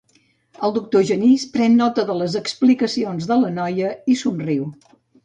El doctor Genís pren nota de les explicacions de la noia i somriu.